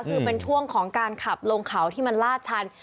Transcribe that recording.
คือเป็นช่วงของการขับลงเขาที่มันลาดชัน